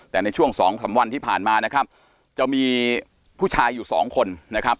แต่ในช่วงสองสามวันที่ผ่านมานะครับจะมีผู้ชายอยู่สองคนนะครับ